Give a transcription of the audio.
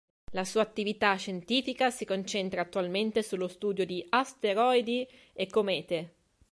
La sua attività scientifica si concentra attualmente sullo studio di asteroidi e comete.